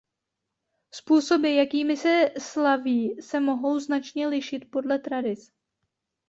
Způsoby jakými se slaví se mohou značně lišit podle tradic.